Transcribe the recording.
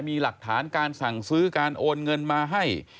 มีหลักฐานการสั่งซื้อการโอนเงินมาให้